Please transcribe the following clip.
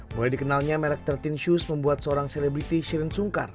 mulai dikenalnya merek tiga belas shoes membuat seorang selebriti sherin sungkar